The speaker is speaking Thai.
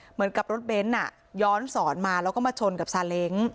เหมือนกับรถเบนท์ย้อนสอนมาแล้วก็มาชนกับซาเล้ง